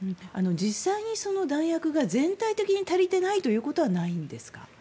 実際に弾薬が全体的に足りてないということはないんですか？